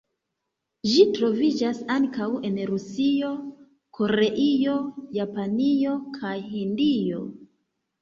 Ĝi troviĝas ankaŭ en Rusio, Koreio, Japanio kaj Hindio.